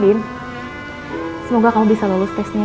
bin semoga kamu bisa lulus tesnya ya